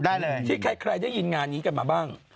ได้เลยที่ใครได้ยินงานนี้กันมาบ้าง